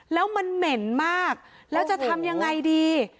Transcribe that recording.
แล้วมันเหม็นมากแล้วจะทำยังไงดี